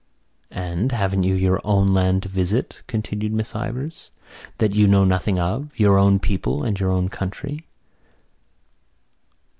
"And haven't you your own land to visit," continued Miss Ivors, "that you know nothing of, your own people, and your own country?"